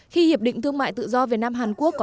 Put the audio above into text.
khi hiệp định thương mại tự do việt nam hàn quốc có